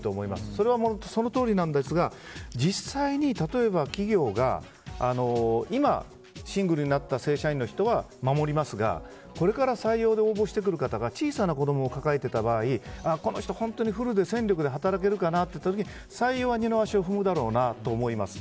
それは、そのとおりなんですが実際に例えば企業が今、シングルになった正社員の人は守りますけどこれから採用で応募してくる人が小さな子供を抱えていた場合この人、本当にフルで戦力で働けるかなと思った時に採用で二の足を踏むだろうなと思います。